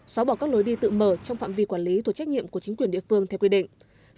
xóa bỏ các lối đi tự mở trong phạm vi quản lý thuộc trách nhiệm của chính quyền địa phương theo quy định